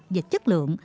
và chất lượng